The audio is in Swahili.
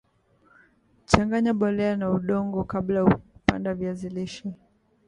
Changanya mbolea na udongo kabla ya kupanda viazi lishe